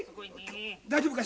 大丈夫か？